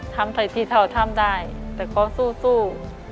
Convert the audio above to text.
ทำใส่สีเทาทำได้แต่ก็สู้